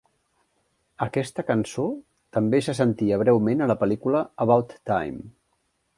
Aquesta cançó també se sentia breument a la pel·lícula "About Time".